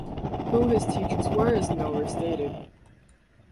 Who his teachers were is nowhere stated.